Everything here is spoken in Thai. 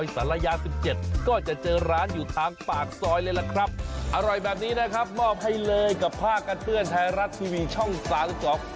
ขอบคุณครับขอบคุณครับขอบคุณครับขอบคุณครับขอบคุณครับขอบคุณครับ